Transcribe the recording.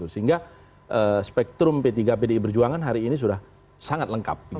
sehingga spektrum p tiga pdi perjuangan hari ini sudah sangat lengkap